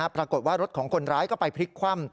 ปรากฏว่ารถของคนร้ายก็ไปพลิกคว่ำ